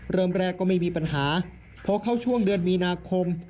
เริ่มแรกก็ไม่มีปัญหาพอเข้าช่วงเดือนมีนาคม